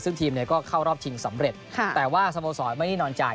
ซึ่งทีมเนี่ยก็เข้ารอบชิงสำเร็จแต่ว่าสโมสรไม่นิ่งนอนใจ